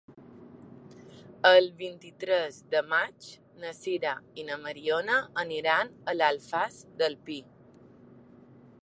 El vint-i-tres de maig na Sira i na Mariona aniran a l'Alfàs del Pi.